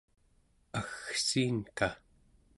aggsiinka